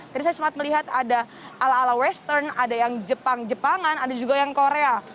jadi saya semangat melihat ada ala ala western ada yang jepang jepangan ada juga yang korea